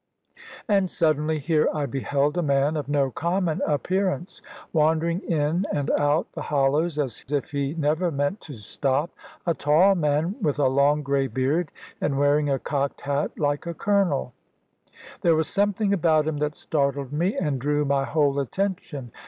And suddenly here I beheld a man of no common appearance, wandering in and out the hollows, as if he never meant to stop; a tall man with a long grey beard, and wearing a cocked hat like a colonel. There was something about him that startled me, and drew my whole attention.